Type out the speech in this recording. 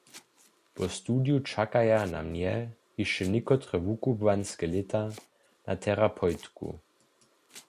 Po studiju čakaja na mnje hišće někotre wukubłanske lěta na terapeutku.